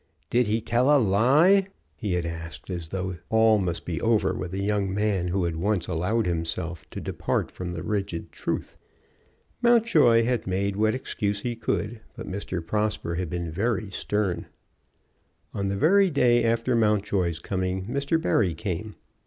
"Did he tell a lie?" he had asked, as though all must be over with a young man who had once allowed himself to depart from the rigid truth. Mountjoy had made what excuse he could, but Mr. Prosper had been very stern. On the very day after Mountjoy's coming Mr. Barry came.